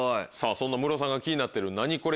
そんなムロさんが気になってるナニコレ？